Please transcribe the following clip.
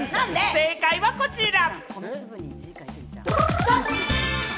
正解はこちら。